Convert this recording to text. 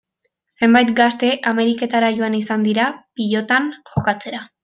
Zenbait gazte Ameriketara joan izan dira pilotan jokatzera.